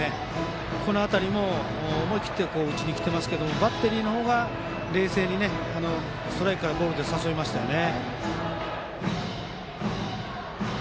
この辺りも思い切って打ちに来ていますけどバッテリーの方が冷静にストライクからボールで誘いましたよね。